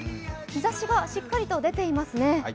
日ざしはしっかりと出ていますね。